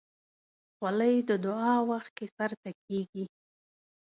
خولۍ د دعا وخت کې سر ته کېږي.